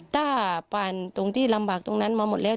ถ้าผ่านตรงที่ลำบากตรงนั้นมาหมดแล้ว